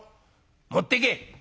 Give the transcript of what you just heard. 持ってけ」。